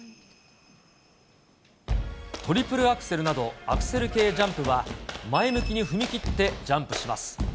トリプルアクセルなどアクセル系ジャンプは、前向きに踏み切ってジャンプします。